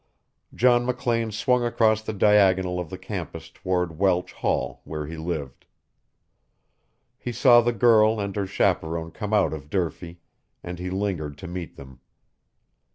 John McLean swung across the diagonal of the campus toward Welch Hall where he lived. He saw the girl and her chaperon come out of Durfee; and he lingered to meet them.